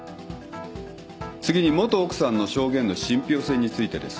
次に元奥さんの証言の信ぴょう性についてです。